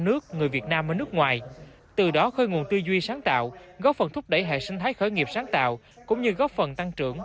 đổi mới sáng tạo cũng như góp phần tăng trưởng